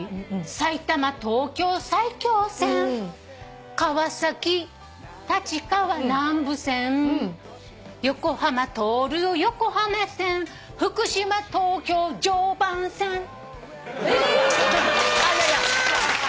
「埼玉東京埼京線川崎立川南武線」「横浜通るよ横浜線」「福島東京常磐線」あっいやいや３番。